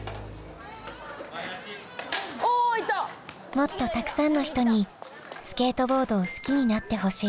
もっとたくさんの人にスケートボードを好きになってほしい。